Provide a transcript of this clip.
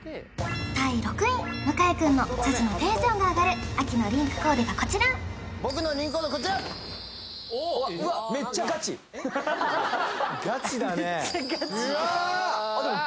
第６位向井くんの女子のテンションが上がる秋のリンクコーデがこちら僕のリンクコーデはこちらガチだね